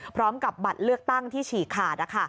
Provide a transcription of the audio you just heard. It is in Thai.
พร้อมกับบัตรเลือกตั้งที่ฉีกขาด